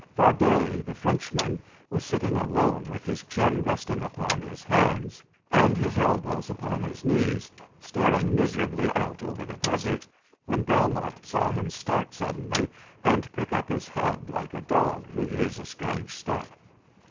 Fardet, the Frenchman, was sitting alone with his chin resting upon his hands, and his elbows upon his knees, staring miserably out over the desert, when Belmont saw him start suddenly and prick up his head like a dog who hears a strange step.